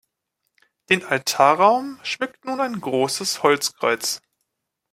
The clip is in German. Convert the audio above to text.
Den Altarraum schmückt nun ein großes Holzkreuz.